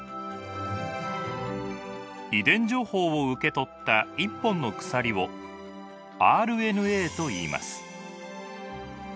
遺伝情報を受け取った１本の鎖をＲＮＡといいます。